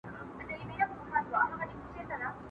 چـې مـې يـو نـوم براے نـام واخيستو